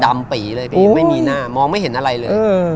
ปีเลยพี่ไม่มีหน้ามองไม่เห็นอะไรเลย